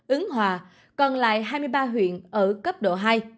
ứng hòa còn lại hai mươi ba huyện ở cấp độ hai